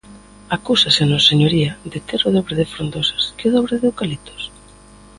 ¿Acúsasenos, señoría, de ter o dobre de frondosas que o dobre de eucaliptos?